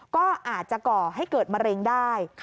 ก็อาจจะก่อให้เกิดมะเร็งได้